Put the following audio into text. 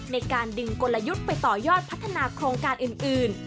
ในการดึงกลยุทธ์ไปต่อยอดพัฒนาโครงการอื่น